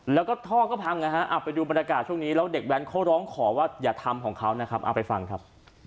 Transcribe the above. แล้วก็ท่อก็พังนะฮะไปดูบรรยากาศช่วงนี้แล้วเด็กแว้นเขาร้องขอว่าอย่าทำของเขานะครับเอาไปฟังครับ